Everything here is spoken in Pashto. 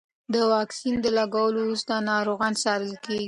د واکسین د لګولو وروسته ناروغان څارل کېږي.